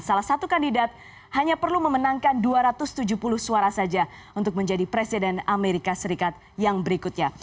salah satu kandidat hanya perlu memenangkan dua ratus tujuh puluh suara saja untuk menjadi presiden amerika serikat yang berikutnya